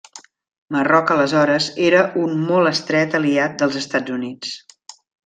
Marroc aleshores era un molt estret aliat dels Estats Units.